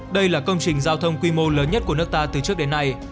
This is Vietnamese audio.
đây là công trình giao thông quy mô lớn nhất của nước ta từ trước đến nay